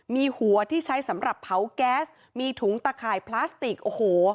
มีหัวที่ใช้สำหรับเผาแก๊สมีถุงตะข่ายพลาสติกโอ้โห